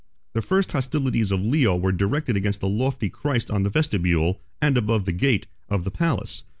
The first hostilities of Leo were directed against a lofty Christ on the vestibule, and above the gate, of the palace.